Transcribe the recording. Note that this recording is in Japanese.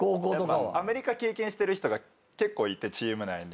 アメリカ経験してる人が結構いてチーム内に。